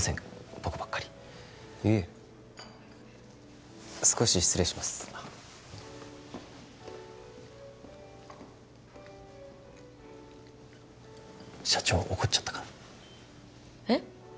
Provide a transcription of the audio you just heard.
僕ばっかりいいえ少し失礼しますあ社長怒っちゃったかな？え？